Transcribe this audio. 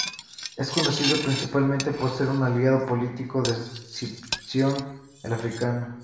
Es conocido principalmente por ser un aliado político de Escipión el Africano.